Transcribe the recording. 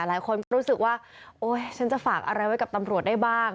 หลายคนก็รู้สึกว่าโอ๊ยฉันจะฝากอะไรไว้กับตำรวจได้บ้าง